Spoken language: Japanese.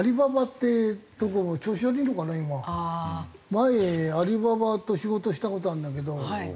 前アリババと仕事した事あるんだけど。